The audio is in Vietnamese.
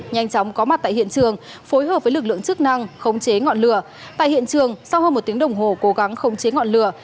nhanh chóng có mặt tại hiện trường phối hợp với lực lượng chức năng khống chế ngọn lửa tại hiện trường sau hơn một tiếng đồng hồ cố gắng không chế ngọn lửa